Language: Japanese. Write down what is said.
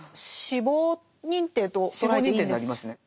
死亡認定になりますね。